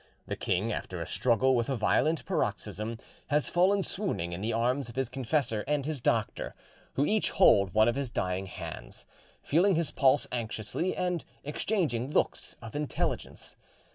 The king, after a struggle with a violent paroxysm, has fallen swooning in the arms of his confessor and his doctor, who each hold one of his dying hands, feeling his pulse anxiously and exchanging looks of intelligence.